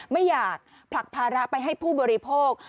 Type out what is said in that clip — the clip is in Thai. ไม่อยากผลักภาระไปให้ผู้บริโภค